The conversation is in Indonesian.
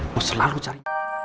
mau selalu cari